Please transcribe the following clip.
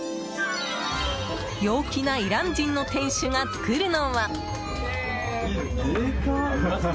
陽気なイラン人の店主が作るのは。